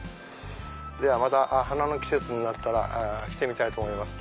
ではまた花の季節になったら来てみたいと思います。